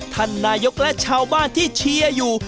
ท่านนายกและชาวบ้านที่เชียร์อยู่